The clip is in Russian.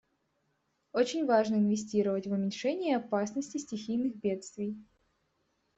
Очень важно инвестировать в уменьшение опасности стихийных бедствий.